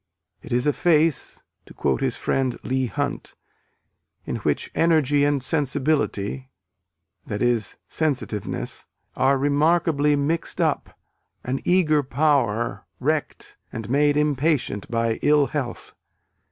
"It is a face," to quote his friend Leigh Hunt, "in which energy and sensibility" (i.e., sensitiveness) "are remarkably mixed up an eager power, wrecked and made impatient by ill health.